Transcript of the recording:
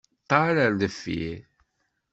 Ṭṭal ar deffir.